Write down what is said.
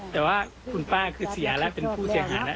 แต่ว่าคุณป้าคือเสียแล้วเป็นผู้เสียหายแล้ว